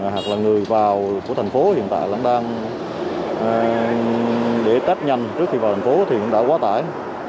hoặc là người vào của thành phố hiện tại vẫn đang để tách nhanh trước khi vào thành phố thì cũng đã quá tải